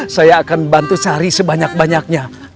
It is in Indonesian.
saya akan bantu cari sebanyak banyaknya